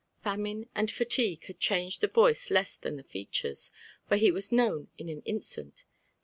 Famine and fatigue had changed the voice less than the features, for he was now known in an instant.